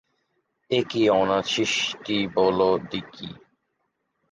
এ কী অনাছিষ্টি বলো দিকি!